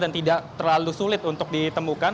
dan tidak terlalu sulit untuk ditemukan